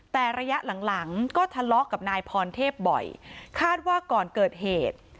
แต่ระยะหลังหลังก็ทะเลาะกับนายพรเทพบ่อยคาดว่าก่อนเกิดเหตุ